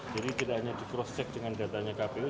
jadi tidak hanya di cross check dengan datanya kpu